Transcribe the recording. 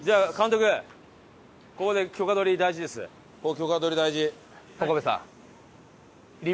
許可取り大事。